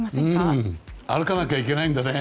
うーん。歩かなきゃいけないんだね。